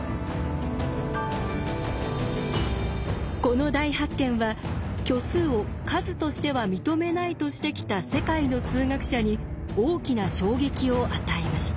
この大発見は虚数を数としては認めないとしてきた世界の数学者に大きな衝撃を与えました。